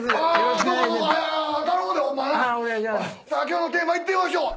今日のテーマいってみましょう。